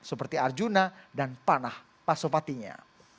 seperti arjuna dan panah pasopatinya